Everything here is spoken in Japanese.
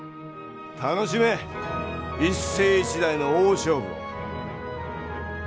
楽しめ一世一代の大勝負を！